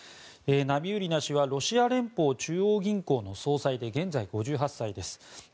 ナビウリナ氏はロシア連邦中央銀行の総裁で現在、５８歳です。